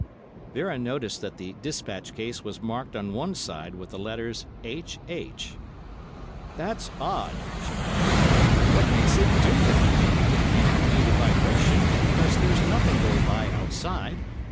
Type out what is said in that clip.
Vera noticed that the despatch case was marked on one side with the letters 'H. H.' 'That's odd,' she cried. 'What makes it do like that—it can't be due to vibration, because there's nothing going by outside.